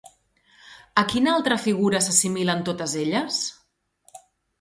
A quina altra figura s'assimilen totes elles?